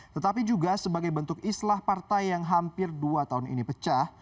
tetapi juga sebagai bentuk islah partai yang hampir dua tahun ini pecah